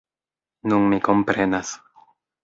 Nun mi komprenas.